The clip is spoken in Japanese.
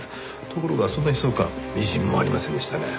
ところがそんな悲壮感みじんもありませんでしたね。